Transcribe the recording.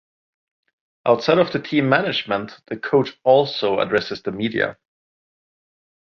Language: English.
Outside of the team management, the coach also addresses the media.